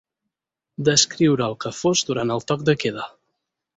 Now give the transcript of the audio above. D'escriure el que fos durant el toc de queda.